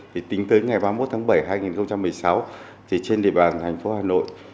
thì tính tới ngày ba mươi một tháng bảy hai nghìn một mươi sáu thì trên địa bàn thành phố hà nội